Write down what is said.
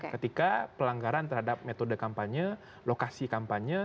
ketika pelanggaran terhadap metode kampanye lokasi kampanye